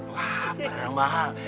wah berapa mahal